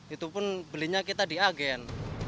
itu pun belinya kita di agen